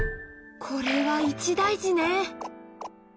これは一大事ね！